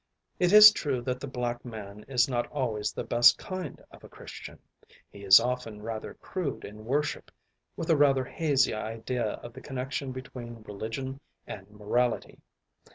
It is true that the black man is not always the best kind of a Christian. He is often rather crude in worship, with a rather hazy idea of the connection between religion and morality.